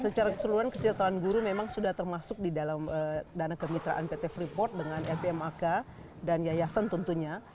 secara keseluruhan kesejahteraan guru memang sudah termasuk di dalam dana kemitraan pt freeport dengan fpmak dan yayasan tentunya